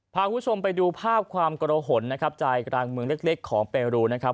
พาคุณผู้ชมไปดูภาพความกระหนนะครับใจกลางเมืองเล็กของเปรูนะครับ